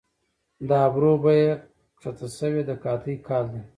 د ابرو بیه کښته شوې د قحطۍ کال دي